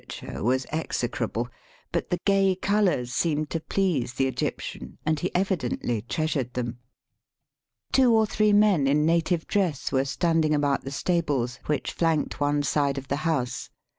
ture was execrable, but the gay colours seemed to please the Egyptian, and he evidently trea sured them. Two or three men in native dress were standing about the stables, which flanked one side of the house.